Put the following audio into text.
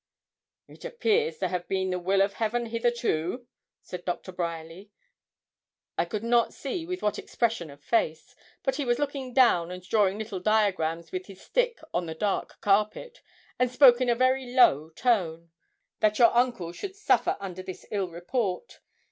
'It appears to have been the will of Heaven hitherto,' said Doctor Bryerly I could not see with what expression of face, but he was looking down, and drawing little diagrams with his stick on the dark carpet, and spoke in a very low tone 'that your uncle should suffer under this ill report.